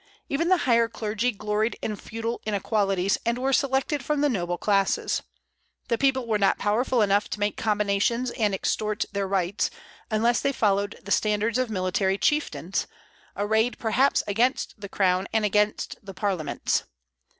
Even the higher clergy gloried in feudal inequalities, and were selected from the noble classes. The people were not powerful enough to make combinations and extort their rights, unless they followed the standards of military chieftains, arrayed perhaps against the crown and against the parliaments.